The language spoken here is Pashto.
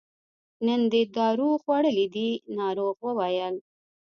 نن دې دارو خوړلي دي ناروغ وویل.